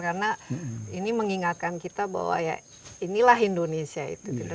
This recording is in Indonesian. karena ini mengingatkan kita bahwa inilah indonesia itu